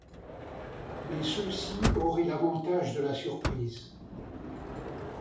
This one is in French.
Mais ceux-ci auraient l’avantage de la surprise.